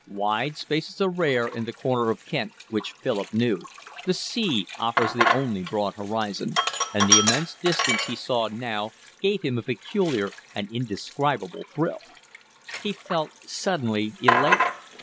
Wide spaces are rare in the corner of Kent which Philip knew, the sea offers the only broad horizon, and the immense distance he saw now gave him a peculiar, an indescribable thrill. He felt suddenly elated.